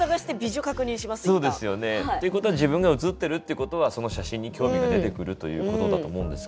そうですよね。ということは自分が写ってるってことはその写真に興味が出てくるということだと思うんですけれども。